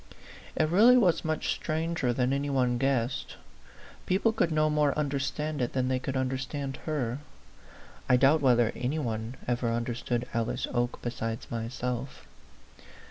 It really was much stranger than any one guessed. People could no more understand it than they could understand her. I doubt whether any one ever understood Alice Oke besides myself.